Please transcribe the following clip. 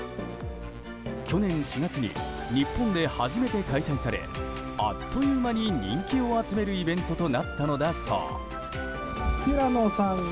去年４月に日本で初めて開催されあっという間に人気を集めるイベントとなったのだそう。